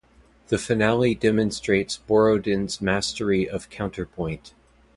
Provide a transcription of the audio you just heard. The finale demonstrates Borodin's mastery of counterpoint.